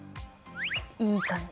いい感じ。